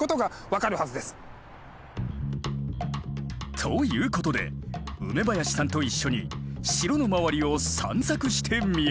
ということで梅林さんと一緒に城の周りを散策してみよう。